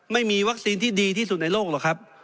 ไม่มีวัคซีนที่ดีที่สุดในโลกหรอกครับ